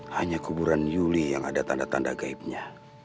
hanya kuburan yuli yang ada tanda tanda gaibnya